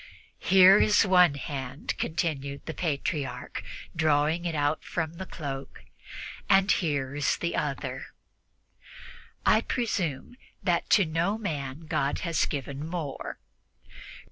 "Here is one hand," continued the Patriarch, drawing it out from the cloak, "and here is the other. I presume that to no man God has given more.